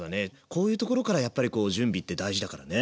こういうところからやっぱり準備って大事だからね。